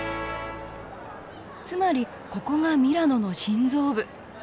つまりここがミラノの心臓部。